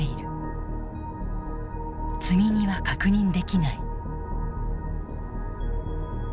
積み荷は確認できない。